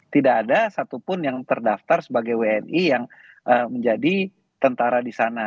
tidak ada satupun yang terdaftar sebagai wni yang menjadi tentara di sana